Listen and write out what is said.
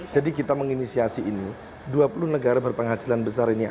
jadi kita menginisiasi ini dua puluh negara berpenghasilan besar ini